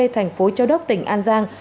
thành phố châu đốc tỉnh an giang